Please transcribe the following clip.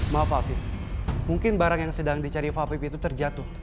maaf afif mungkin barang yang sedang dicari fafif itu terjatuh